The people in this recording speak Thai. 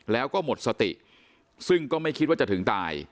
แล้วก็หมดสติซึ่งก็ไม่คิดว่าจะถึงตาย